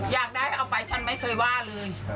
อยากได้เอาไปฉันไม่เคยว่าเลย